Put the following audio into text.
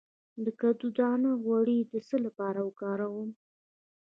د کدو دانه غوړي د څه لپاره وکاروم؟